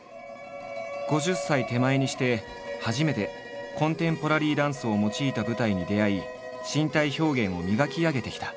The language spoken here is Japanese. ５０歳手前にして初めてコンテンポラリーダンスを用いた舞台に出会い身体表現を磨き上げてきた。